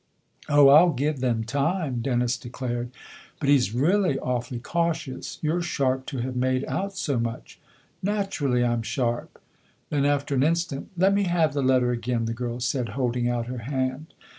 " Oh, I'll give them time !" Dennis declared. " But he's really awfully cautious. You're sharp to have made out so much." " Naturally I'm sharp." Then, after an instant, "Let me have the letter again," the girl said, holding out her hand.